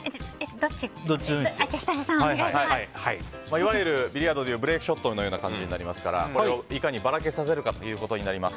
いわゆるビリヤードでいうブレークショットになりますからこれをいかにばらけさせるかということになります。